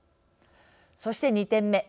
そして、２点目。